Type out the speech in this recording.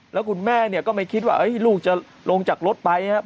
แล้วคุณแม่เนี่ยก็ไม่คิดว่าลูกจะลงจากรถไปนะครับ